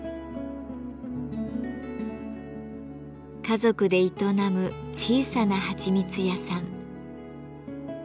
家族で営む小さなはちみつ屋さん。